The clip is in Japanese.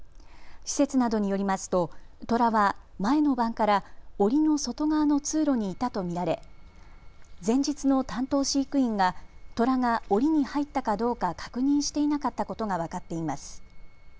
施設などによりますとトラは前の晩からおりの外側の通路にいたと見られ前日の担当飼育員がトラがおりに入ったかどうか確認していなかったことが分かっています。